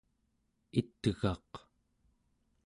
it'gaq